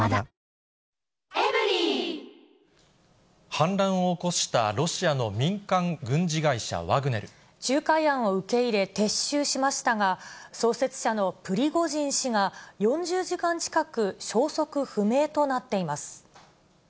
反乱を起こしたロシアの民間仲介案を受け入れ、撤収しましたが、創設者のプリゴジン氏が、４０時間近く、消息不明となっています。